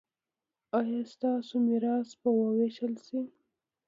ایا ستاسو میراث به ویشل شي؟